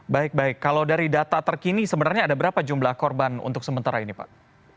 baik baik kalau dari data terkini sebenarnya ada berapa jumlah korban untuk sementara ini pak